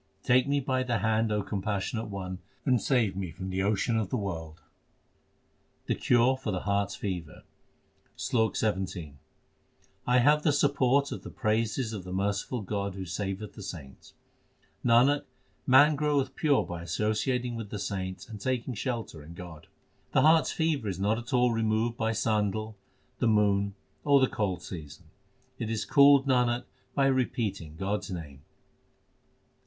Take me by the hand, O Compassionate One, and save me from the ocean of the world. The cure for the heart s fever : SLOK XVII I have the support of the praises of the merciful God who saveth the saints. Nanak, man groweth pure by associating with the saints and taking shelter in God. The heart s fever is not at all removed by sandal, the moon, or the cold season ; It is cooled, Nanak, by repeating God s name.